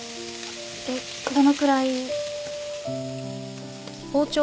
えっどのくらい。